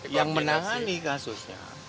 yang menangani kasusnya